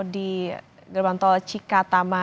di gerbang tol cikatama